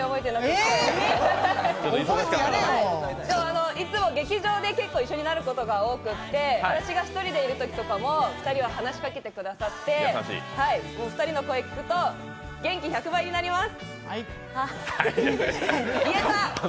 でも、いつも劇場で結構、一緒になることが多くて、私が１人でいるときとかも２人は話しかけてくださって２人の声を聞くと元気１００倍になります。